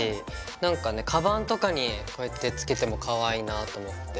なんかねカバンとかにこうやって付けてもかわいいなぁと思って。